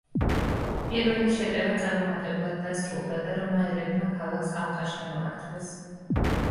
პირველი შეტევა წარუმატებლად დასრულდა და რომაელებმა ქალაქს ალყა შემოარტყეს.